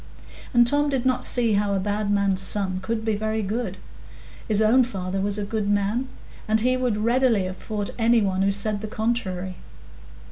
And Tom did not see how a bad man's son could be very good. His own father was a good man, and he would readily have fought any one who said the contrary.